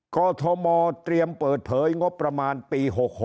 กอทมเตรียมเปิดเผยงบประมาณปี๖๖